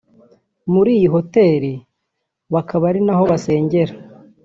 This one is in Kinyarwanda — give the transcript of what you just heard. muri iyi hotel bakaba ari naho basengera